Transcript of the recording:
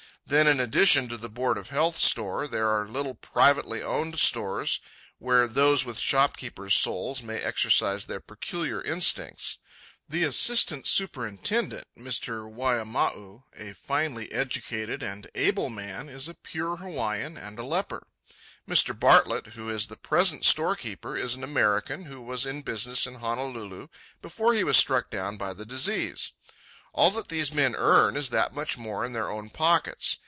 Then, in addition to the Board of Health store, there are little privately owned stores, where those with shopkeeper's souls may exercise their peculiar instincts. The Assistant Superintendent, Mr. Waiamau, a finely educated and able man, is a pure Hawaiian and a leper. Mr. Bartlett, who is the present storekeeper, is an American who was in business in Honolulu before he was struck down by the disease. All that these men earn is that much in their own pockets.